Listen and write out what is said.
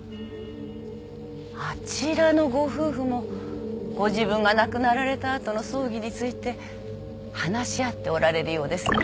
あちらのご夫婦もご自分が亡くなられた後の葬儀について話し合っておられるようですね。